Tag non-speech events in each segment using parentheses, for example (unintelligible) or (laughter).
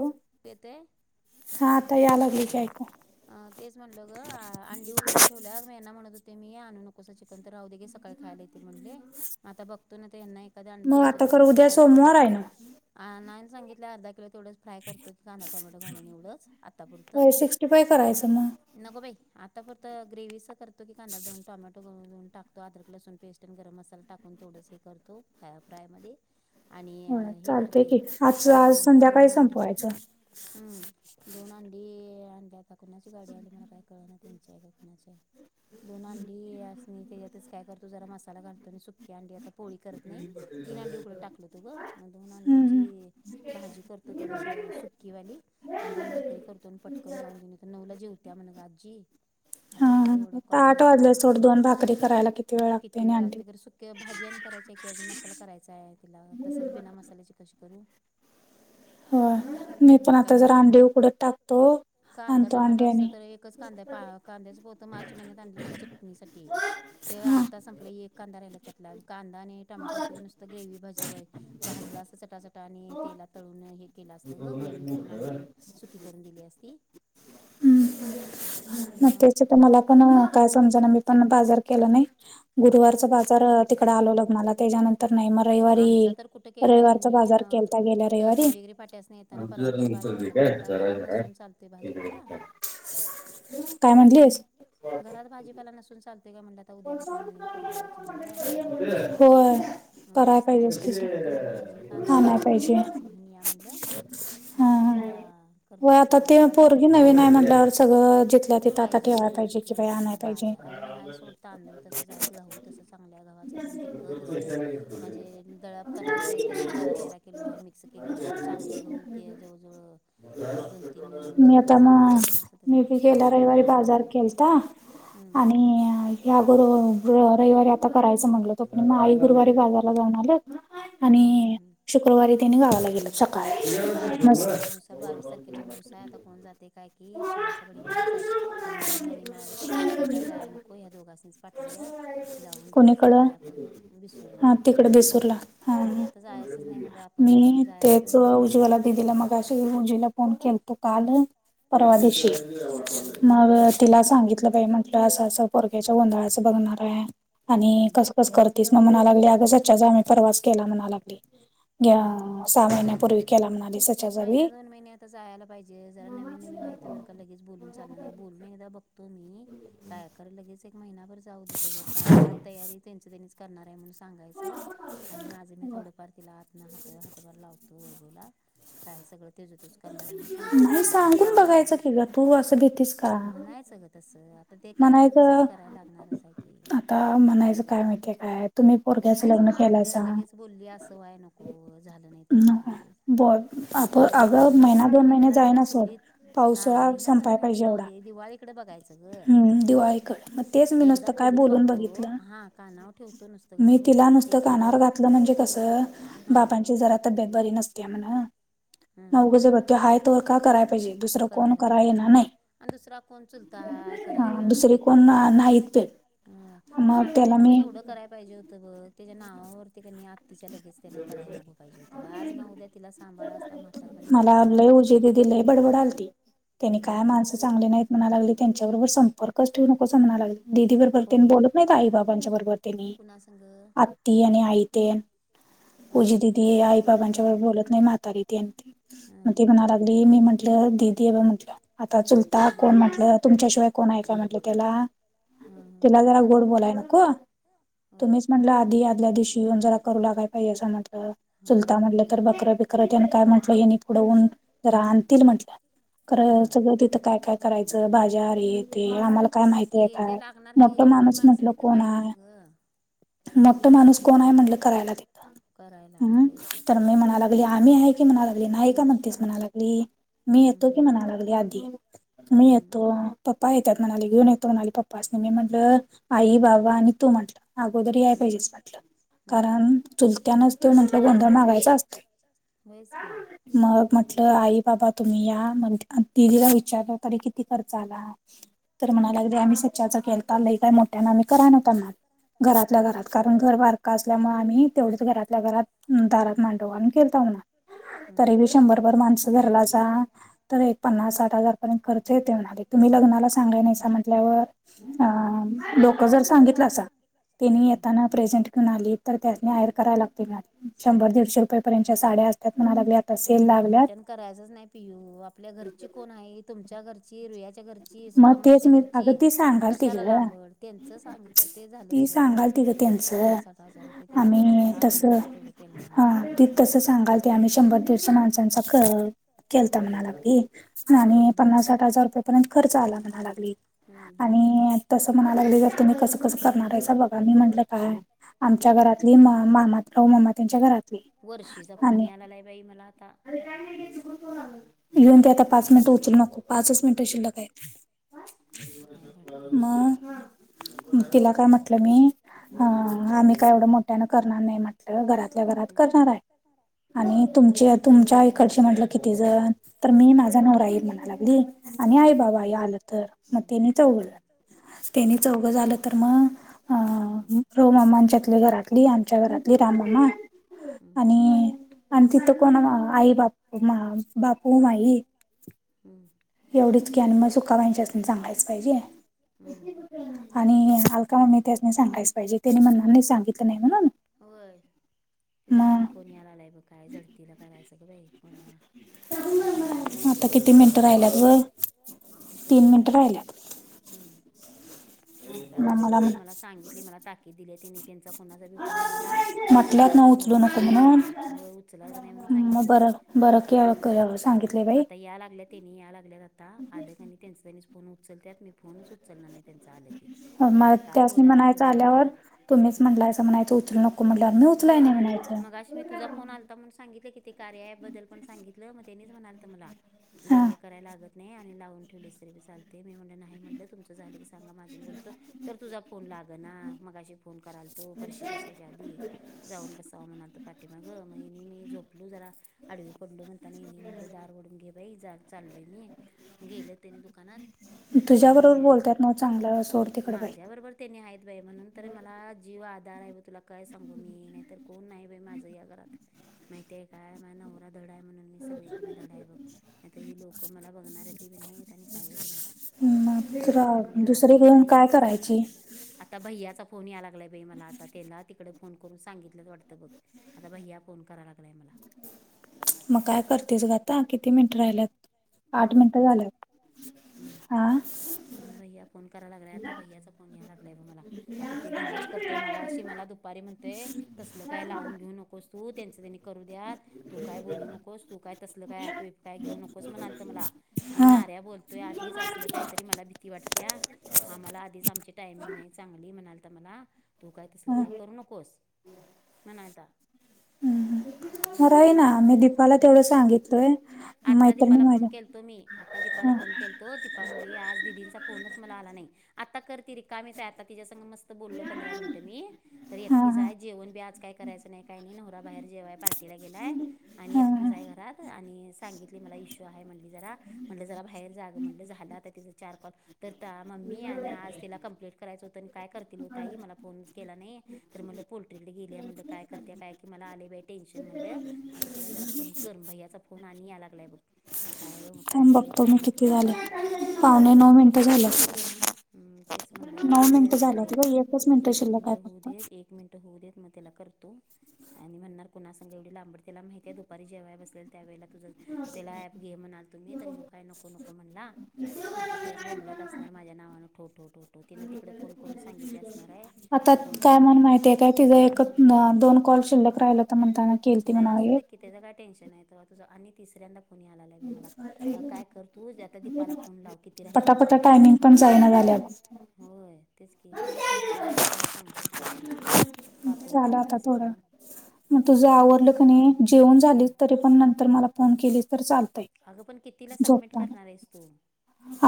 हो पेते हांतायालागली कायक अ तेच म्हणलं ग अंडी उकडून ठेवल्यावर मीना म्हणत होते मी आणू नकोसा एक राह देे सकाळी खायला येतील म्हणले मग आता बघतो ना ते यांना एखा्या अ देतो तसच खायला मोर आहे नाहीन सांगितलं अर्ध किलो तेवढं फाय करतो की कांदा टोमॅटो घालून एवढंच आत्तापुरं किपय करायचं मग नको बाई आता फत ग्रेव्हीच करतो की कांदा धऊन टोमॅटोधुऊ टाको अद्रक लसूण पेस्ट चटन गरम मसाला टाकून तेवढंच हे करतो फा फ्रायमध्ये आणि हे करते काय बर दोन अंडी हम्म दोन अंडी अंडी आता कुणाची गाडी आली मला काय कळ ना तीनच्या आहे का कुणाच्या आहे दोन अंडी असणे त्याच्यातच काय करतो जरा मसाला घालतो नाही सुक्या अंडी आता पोळी करत नाही तीन अंडी उकड टाकल होतो ग मग दोन अंड्याची भाजी करतो तेवढीच सुकीवाली दोन भाकरी करतो आणि पटकन जाऊन देन नऊला जेवत्या म्हण ग आजी आता हा एवढ आठ वाजले सोड दोन भाकरी करायला किती वेळे किती वेळ लागतेरी सुक्या भाजी आणि करायचीय की अजून मसाला करायचा आहे तिला तसच बिना मसाले चिकन शिक करू हो मी पण आता जर रामदेव कडत टाकतो कांदा टोमॅटो असतं तर एकच कांदा कांद्याच बोत मार्च महिन्यात आणलं चटसाठीठी ते आत्ता संपलं एक कांदा राहिला त्यातला कांदा आणि टमॅटो असध नुसत ग्रेव भजावय भाजला अस चटाचटा आणि तेला तळून हे केलं असतं गं ग्रेव्ही करून अंडी सुकी करून दिली असती हम्म मग त्याच्या तर मला पण काय समजा ना मी पण बाजार केला नाही गुरुवारचा बाजार तिकड आलो लग्नाला त्याच्यानंतर नाही मग रविवारी रविवारचा बाजार केला तगल रव ब काय म्हण घरात भाजीपाला नसून चालते का म्हणात आता उद्यापासून नवीन परगे यायचे म्हणले घरात मग यासनी म्हटलं काहीतरी येताना भाजी कांदा टमॅटो बटाटा काहीतरी घेऊन या म्हटलं मगद्याच्याला करतो किंवा मग नवीजे (unintelligible) तांू तस घाऊ तस चांगल्या गावा अजून ट तस म्हणजे करायच आहे ते अजून बारा तेरा किलो आहे मिक्स केलेला आहे चांगलं गहती जवळजवळ दोन तीन म्हणजे सात एकस वीस किलो हवा ह हम्म या गर रविवारी आता करायचं म्हटल होतो पण मग आई गुरुवारी बााजारला जाऊ आले आणि शुक्रवारी त्यांनी गावाला गेलं सकाळी मस्त बावीस तारखेला उरसा आहे आता कोण जाते काय की शिव्याचा बडी माराज आहे मग मी हनी म्हणाला कसं आपण काय जाय नको दोघासच पाठवूया जाऊन देवास पाया पडस मी आता जायचच नाही म्हणज आपणच मग जायचं आहे नाही. ला दिदीला मग अ रजेला फोन केल तो का (unintelligible) परवा दिशी मग तिला सांगितलं पा म्हटलं असं असं पर याच्या गोंधळाचं बघणार आहे कस कस करस म्हणायला अगच्या आम्ही परवास केला म्ह मनाला ह हम् हम् हम् महिना दोन महिने आता जायला पाहिजे. जरा नवीन नवीन आहे त्या व का लगेच बोलून चाल नाही. बोलून एकदा बघतो मी काय कर लगेच एक महिना जाऊ दर का सगळी तयारी त्यांचं त्यांनीच म्हणून सांगायच आणि माझ मी थोडार तिला आ ह हातभार लावतो वैभवला काय सगळं तेजतज करणार आहे म्हण सांगायचं ून बघायचं कलं तू असं बतीस का नाही सगं तसं तर ते करायचं तसच कराय लागणारच आहे. की लगेच मग आपल्या लगेच बोलली असं वाय नको झालं नाही तर लगेच बर आपण अगं महिना दोन महिने जाय नसो पावसाळा संपाय पाहिजे एवढा हम्म दिवाळीकडे मग तेच मी नसतं काय बोलून बघितलं मी तिला नुसतं कानावर घातलं म्हणजे कसं बापांची जरा आता बे बरी नसते आ म्हणा नघ बघते हा तरो का कराय पाहिजे दुसरं कोण करा येणार नाही. आणि दुसरा कोण चुलता ह करायला म्हातारीने एवढं कराय पाहिजे होत बघ त्याच्या नावावरती तिच्या लगेच त्याला कराला नको पाहिजे. होतं ग आज ना उद्या तिथे तिला सांभाळा मला लय उजी दिदी लय बडबड आलती त्यानी काय माणस चांगले नाही त्यांच्याबरोबर संपर्क ठेवू नको म्हणायला लागली दीदी बरोबर बोलत नाहीत आई बाबांच्या बरोबर त्यांनी आत्ती आणि आई ते पूजा दिदी आई बाबांच्या बोलत नाही. म्हातारी त मग ती म्हणाय लागली मी म्हण म्ह ददी म्हटलं आता चुलता कोण म्हटलं तुमच्याशिवाय कोण आहे का म्हटलं त्याला तिला जरा गोड बोलाय नको तुम्हीच म्हटलं आधी आल्या दिवशी जीवन जरा करू ला पाजे असं म्हट चुलता म्हटलं तर बकरावीकर त्याने काय म्हटलं त्याना काय पुढऊन जरा आणतील म्हटलं खरं सगळं तिथं काय काय करायचं भाज्यार ते आम्हाला काय माहिती आहे. काय मोठ माणूस म्हटल कोण आहे मोठ माणूस कोण आहे. म्हणल करायला त हम तर मी म्हणाला आम्ही आहे की म्हणा लागली नाही का म्हणतेच म्हणा लागली मी येतो की म्हणा लागली आधी मी येतो पप्पा येतात म्हणाले घेऊन येतो म्हणाली पप्पा अस नाही मी म्हंटलं आई बाबा आणि तू म्हटलं अगोदरी याय पाहिजेच म्हटलं कारण चुलत्या नचते म्हट गोंधळ मागायचा असतोय व्हयचं की मग म्हटलं आई, बाबा तुम्ही या, म दिदीला विचारलं तरी किती खर्च आला? हा तर म्हणाला लागली आम्ही सचाचा केलता लय काय मोठ्याना आम्ही करा नवता म्हणाली घरातल्या घरात का पण घर बारका असल्यामुळे आम्ही तेवढच घरातल्या घरात दारात मांडव आणून केलता म्हणा तरीब शंभर भर माणस धरलास तर, एक पन्नास साठ हजार खर्च येतोय म्हणाली तुमी लग्नात ला सांगाय नाहीसा म्हटल्यावर आ लोक जर सांगितलासा तेनी येताना प्रेझेंट घेऊन आली तर त्यासणी आहेर करा लागताय म्हणाली शंभर दीडशे एवढं मोठ्यान करायचंच नाही पियू आपल्या घरची कोण आहे तुमच्या घरची रुया च्या घरची सुकामासच्या घरची कशाला लांबड त्यांच सांगत ते झालं सोड पन्नास साठ हजार रुपये तिला खर्चला आपला काय तेवढे पेलणार नाही ह त तस सांगाल ते आम्ही शंभर दीडश माणसांचा केलता म्हणालाी आणि पन्नास साठ हजार रुपयाे पर्यंत खर्च आला म्हणा लागली आणि तसं म्हणाय लागले जर तुम्ही कसं कसं करणारयचा बघा मी म्हटलं काय आमच्या घरातली म मामात ममा त्यांच्या घरातली ऊशीचा फोन या लालाय बाई मला आता येऊन ते आता पाच मिनिट उचलू नको पाचच मिनिट शिल्लक आहेत मग तिला काय म्हटलं मी आम्ही काय एवढं मोठ्यान करणार नाही म्हटलं घरात तल्या घरात करणार आहे. आणि तुमचे तुमच्या इकडचे म्हटलं किती जण तर मी माझा नवरा हील म्हणाला आणि आई बाबा आलं तर मग त्याने चौघ जण त्यानी चौघं झालं तर मग, अ रो मामांच्यातली घरातली, आमच्या घरातली राम मामा आणि आणि तिथं कोण आई, बाप-बापू माई हम्म एवढीच की आणि मग सुका माहिच्यासनी सांगायच पाहिजे. हम्म आणि आलका मा मी त्याचनी सांगायच पाहिजे त्यानी म्हणणार नाही सांगितलं नाही म्हणून होय तझ आणि फोण यालालय बाई काय झडतीला करायचं ग बाई पणवा आता भैयाला फोन करणार बघ तूच आता हम्म मी काय उचलत नाही मला सांगितले मला ताकी द दिले त्यांनी, त्यांचा कोणाचा बी फोन आला तर तू फोन उचलायच नाही हो उचलायचं नाही म्हणून सांगितले आता या लागल्या त्यांनी या लागल्यात आता आलं क त्यांच त्यांनीच फोन उचलतत मी फोनच उचलणार नाही त्यांच आलं की तिला काय बोलायचं ते बोलू देत हम होय, मगशी मी तुझा फोन आलता म्हणून सांगितलं कि कार्य ऍप बद्दल पण सांगितलं मग त्यांनीच म्हणाल मला लय हे करायला लागत नाही आणि लावून ठेवलीस तरी बी चालते मी म्हणले नाही म्हटलं तुमचं झाले की सांगा माझ मी बोलतो तर तुझा फोन लागना मगशी फोन करालतो परशी पु सायच्या आधी जाऊन बसावा म्हणात पाठी मग मग मी झोपलो जरा आडवी पडलो म्ह ताना म्हटली दार वडून घे बाई मा ग चालय मी गेल त्याने दुकानात आणि माझ्याबरोबर तेनी आहेत बाई म्हणून तर मला जीव आधार आहे ब तुला काय सांगू मी नाही तर कोण नाही बाई माझं या घरात माहिती आहे काय नवरा धडाय म्हणून म सगळी कडनं धड आहे बघ नाहीत ही लोक मला बघणारली बी नाही आणि काहीच नाही सोन्याची मम्मी आलती दुपारी ते सांगालती आता भै्याचा फोन याला लागलाय बाई मला आता तेना तिकड फोन करून सांगितलंत वाटतं बघ आता भैया फोन कराय लागलाय मला मग काय करतीस ग अता किती मिनिट राहिल्यात आठ मिनिटं झाल्यात हा भैया फोन कराय लागलाय आता भैय्याचा फोन यायला लागलाय ब मला आता ते दंगाच करतय मगाशी मला दुपारी म्हणतय तसलं काय लावून घेऊ नकोस तू त्यांचं त्यांनी करू द्यात तू काय बोलू नकोस तू काय तसलं काय ॲप बीप काय घेऊ नकोस म्हणालत मला ह्यो नाऱ्या बोलतोय आधीच असल काहीतरी मला भीती वाटत्या आम्हाला आधीच आमची टायमिंग नाही चांगली म्हणाल त मला तू काय तसलं काय करू नकोस म्हणालता खराय ना मी दीपाला तेवढं सांगितलोय आत्ता दीपाला फोन केलतो मी आता दीपाला फोन केलतो दिप पा म्हणली आज दिदींचा फोनच मला आला नाही आता कर त रिकामीच हाय आता तिज्यासंग मस्त बोललो पंधरा मिंट मी तर एकटीच आहे जेवण बी आज काय करायचं नाही काही नाही नवरा बाहेर - जेवाय पार्टीला गेलाय आणि एकटीच आहे घरात आणि सांगितलं - म्हणली मला इशू हाय म्हणली जरा म्हणल जरा बाहेर जा ग म्हणल झाल आता तीज चार कॉल तर त मम्मी आणि आज तिला कंप्लिट करायचं होतं आणि काय करतील ओ ताई मला फोनच केला नाही तर म्हटलं पोल्ट्रीकडे गेल्या म्हटलं काय करत्या काय की मला आलय बाई टेन्शन म्हटलं म अता तिला जरा फोन कर भैयाचा फोन आणि याय लागलाय बघ काय बग काय झाले काय माहिती मला टेन्शन बघ हम् तेच म्हणलं जरा होऊ दे आता एवढा एक एक मिनिट होऊ दे एक मिन- होऊ देत मग त्याला करतो आणि म्हणणार कुणासंग एवढी लांबड तेला माहितीये दुपारी जेव्हा बसलेल त्यावेळेला तुझा त्याला ॲप घे म्हणालतो मी तर ह्यो काय नको नको म्हणला म अता तेच बोमलत असणार माझ्या नावानं ठोठो ठोठो तिनं तिकड फोन करून सांगितली असणार हाय फोन कर काय माहितीे (unintelligible) नाय असू दे की की त्याचं काय टेन्शन आहे तवा तुझ आणि तिसऱ्यांदा फोन याला लागलाय मला काय कर तू आता दीपाला फोन लाव किती राहिल्यात बघून श्यानी (unintelligible) होय तेच की नाही करतो घे मी त्याला सांगतो समजावून सोड झालं आता थोडं मग तुझं आवरल क नाही जेवूण झाली तरी पण तर मला फोन के लीस तर चालतय झोपताना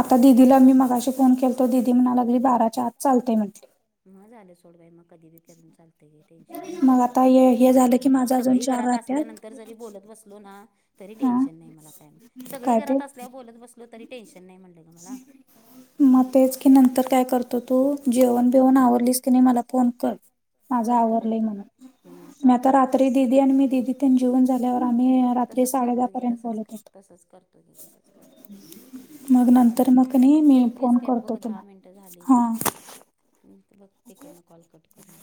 आता दिदीला मी मगाशी फोन केलतो दिदी म्हणा लागली बाराच्या आत चालतेय म्हटली मग झालं सोडबाई मग कधी बी करून चालतय घे टेन्शन नाही मग काय जेवण झाल्यावर सगळी घरात असल्यानंतर जरी बोलत बसलो ना तरी टेन्शन नाही मला काय मग सगळी घरात असल्यावर बोलत बसलो तरी टेन्शन नाही म्हटलं ग मला (inaudible) मग तेच की नंतर काय करतो तू जेवण बेवण आवरलीस की नाही मला फोन कर माझा आवरलाय म्हणून मी आता रात्री दिदी आणि मी दिदी तेन जेवून झाल्यावर आम्ही तसंच करतो गे तसंच तसंच करतो गे तसंच करतो चालतय ठेवतीस काय बघ दहा मिनटं झालीत हम् बघ तिकडनं कॉल कट करून